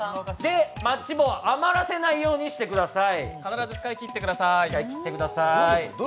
マッチ棒を余らせないようにしてください。